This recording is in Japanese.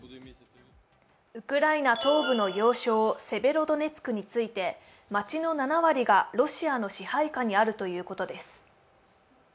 ウクライナ東部の要衝、セベロドネツクについて、街の７割がロシアの支配下にあるということです。